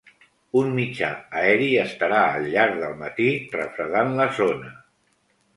Un mitjà aeri estarà al llarg del matí refredant la zona.